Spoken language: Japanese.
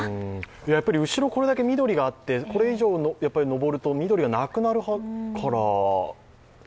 やっぱり後ろ、これだけ緑があって、これ以上のぼると緑がなくなるから？